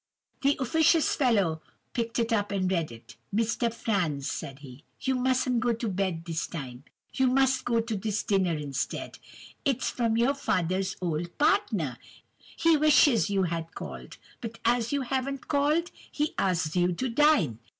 "The 'officious fellow' picked it up, and read it. 'Mr. Franz,' said he, 'you mustn't go to bed this time: you must go to this dinner instead. It's from your father's old partner—he wishes you had called, but as you haven't called, he asks you to dine.